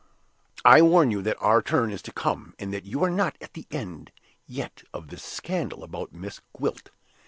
I warn you that our turn is to come, and that you are not at the end yet of this scandal about Miss Gwilt.